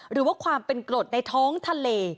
หรือว่าความเป็นกรดในท้องทะเล